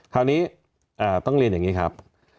คราวนี้ต้องเรียนอย่างนี้ครับ